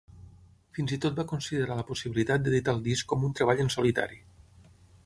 Fins i tot va considerar la possibilitat d'editar el disc com un treball en solitari.